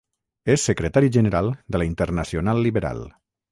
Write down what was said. És secretari general de la Internacional Liberal.